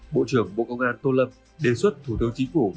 bộ trưởng bộ công an tô lâm đề xuất thủ tướng chính phủ